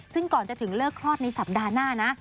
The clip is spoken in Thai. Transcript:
ซึ่งก่อนจะถึงเลิกคลอดในสัปดาห์หน้านะ